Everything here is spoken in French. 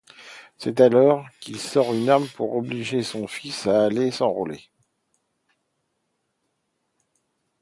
C'est alors qu'il sort une arme pour obliger son fils à aller s’enrôler.